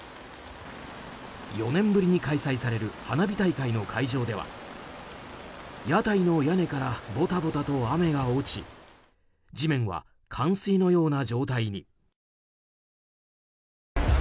４年ぶりに開催される花火大会の会場では屋台の屋根からぼたぼたと雨が落ち地面は冠水のような状態に。